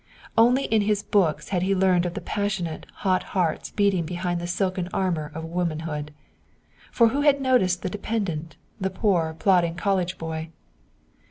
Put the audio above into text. Only in his books had he learned of the passionate, hot hearts beating behind the silken armor of womanhood. For who had noticed the dependent, the poor, plodding college boy?